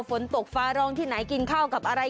ฝนตกฟ้าร้องที่ไหนกินข้าวกับอะไร